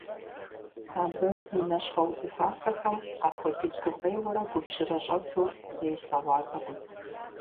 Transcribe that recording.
Абы и нэ щхъуэ-удзыфафэхэм апхуэдиз гукъеуэрэ губжьрэ щӀэту зэи слъэгъуатэкъым.